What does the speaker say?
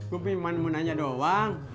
gue pengen mau nanya doang